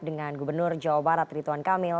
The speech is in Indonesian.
dengan gubernur jawa barat rituan kamil